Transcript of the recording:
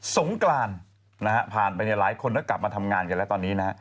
สงกรานผ่านไปหลายคนแล้วกลับมาทำงานกันแล้วตอนนี้